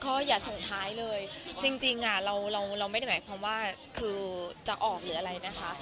ก็อย่าส่งท้ายเลยจริงเราไม่ได้หมายความว่าคือจะออกหรืออะไรนะคะ